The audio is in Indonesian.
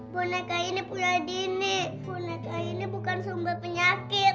boneka ini bukan sumber penyakit